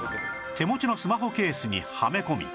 手持ちのスマホケースにはめ込み